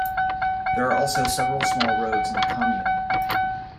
There are also several small roads in the commune.